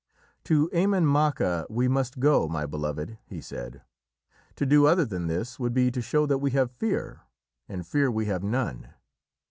"To Emain Macha we must go, my beloved," he said. "To do other than this would be to show that we have fear, and fear we have none."